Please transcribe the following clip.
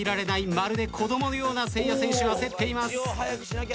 まるで子供のようなせいや選手焦っています。